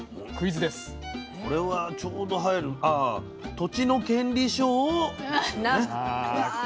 土地の権利書を。